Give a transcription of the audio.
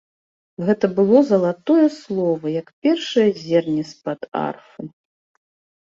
Гэта было залатое слова, як першае зерне з-пад арфы.